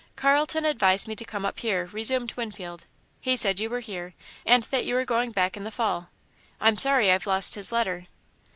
"Carlton advised me to come up here," resumed Winfield. "He said you were here, and that you were going back in the Fall. I'm sorry I've lost his letter."